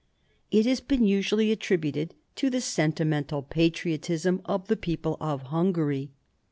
It has been usually attributed to the sentimental patriotism of the people of Hungary.